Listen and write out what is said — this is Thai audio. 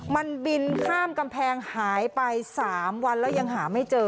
มันบินข้ามกำแพงหายไป๓วันแล้วยังหาไม่เจอ